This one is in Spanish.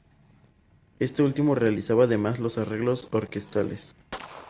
Este último realizaba además los arreglos orquestales.